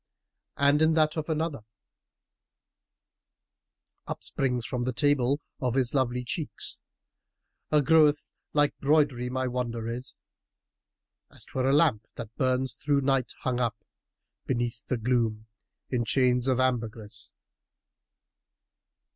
And in that of another:— Upsprings from table of his lovely cheek[FN#316] * A growth like broidery my wonder is: As 'twere a lamp that burns through night hung up * Beneath the gloom[FN#317] in chains of ambergris.